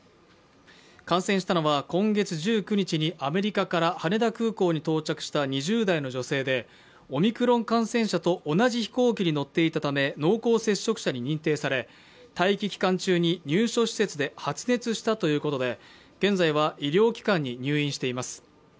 感染したのは今月１９日にアメリカから羽田空港に到着した２０代の女性でオミクロン株感染者と同じ飛行機に乗っていたため濃厚接触者に認定され、待機期間中に入所施設で発熱したということで現在は医療機関に入院しています。